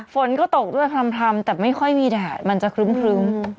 ฝนก็ตกด้วยพร่ำแต่ไม่ค่อยมีแดดมันจะครึ้ม